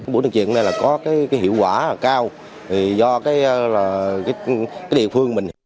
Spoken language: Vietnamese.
buổi tuyên truyền này có hiệu quả cao do địa phương mình